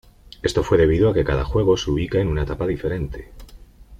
Esto fue debido a que cada juego se ubica en una etapa diferente.